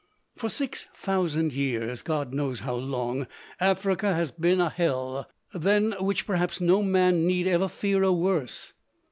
For six thousand years God knows how long Africa has been a hell, than which perhaps no man need ever fear a worse.